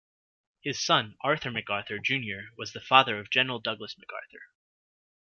His son, Arthur MacArthur Junior was the father of General Douglas MacArthur.